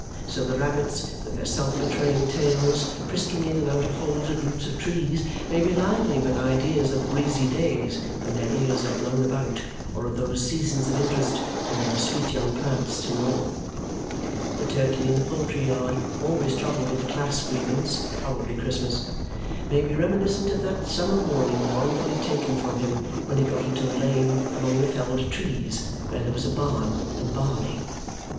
So the rabbits with their self betraying tails, frisking in and out of holes at roots of trees, may be lively with ideas of the breezy days when their ears are blown about or of those seasons of interest when there are sweet young plants to gnaw. The turkey in the poultry yard, always troubled with a class grievance (probably Christmas), may be reminiscent of that summer morning wrongfully taken from him when he got into the lane among the felled trees, where there was a barn and barley.